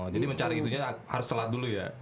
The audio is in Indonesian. jadi mencari itunya harus sholat dulu ya